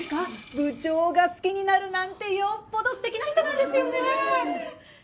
部長が好きになるなんてよっぽど素敵な人なんですよね